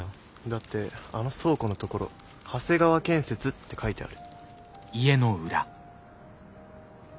だってあの倉庫のところ「長谷川建設」って書いてある。